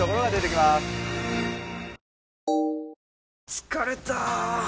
疲れた！